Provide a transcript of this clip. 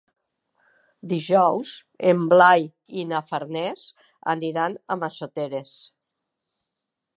Dijous en Blai i na Farners aniran a Massoteres.